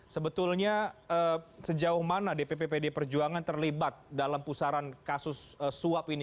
sebetulnya sejauh mana dpp pd perjuangan terlibat dalam pusaran kasus suap ini